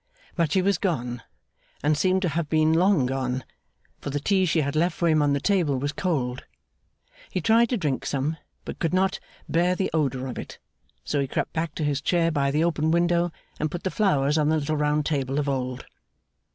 But she was gone, and seemed to have been long gone; for the tea she had left for him on the table was cold. He tried to drink some, but could not bear the odour of it: so he crept back to his chair by the open window, and put the flowers on the little round table of old.